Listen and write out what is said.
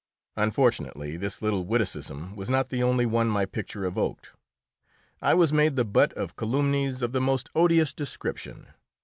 Unfortunately, this little witticism was not the only one my picture evoked; I was made the butt of calumnies of the most odious description.